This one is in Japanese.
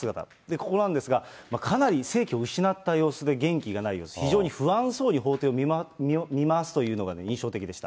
ここなんですが、かなり生気を失った様子で、元気がない様子、非常に不安そうに法廷を見回すというのが印象的でした。